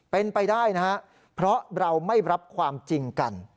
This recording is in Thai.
เป็นไปได้นะครับเพราะเราไม่รับความจริงกัน